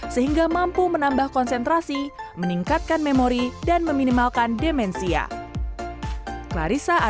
sehingga mampu menambah konsentrasi meningkatkan memori dan meminimalkan demensia